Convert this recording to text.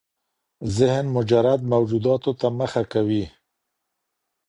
ذهن مجرد موجوداتو ته مخه کوي.